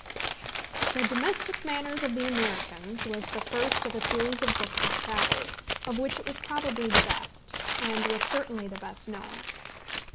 The Domestic Manners of the Americans was the first of a series of books of travels, of which it was probably the best, and was certainly the best known.